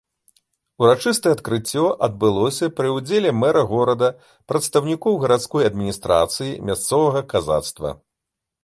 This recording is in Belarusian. Урачыстае адкрыццё адбылося пры ўдзеле мэра горада, прадстаўнікоў гарадской адміністрацыі, мясцовага казацтва.